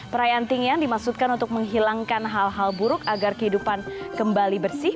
perayaan tingyang dimaksudkan untuk menghilangkan hal hal buruk agar kehidupan kembali bersih